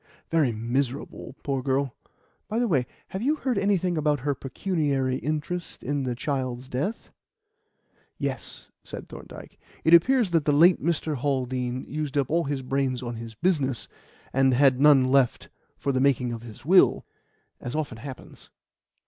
"Very miserable, poor girl. By the way, have you heard anything about her pecuniary interest in the child's death?" "Yes," said Thorndyke. "It appears that the late Mr. Haldean used up all his brains on his business, and had none left for the making of his will as often happens.